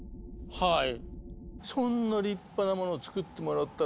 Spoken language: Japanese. はい。